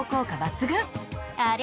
あれ？